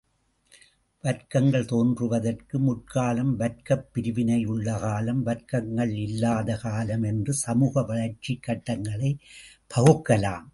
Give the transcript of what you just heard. வர்க்கங்கள் தோன்றுவதற்கு முற்காலம், வர்க்கப் பிரிவினையுள்ள காலம், வர்க்கங்கள் இல்லாத காலம் என்று இச்சமூக வளர்ச்சிக் கட்டங்களைப் பகுக்கலாம்.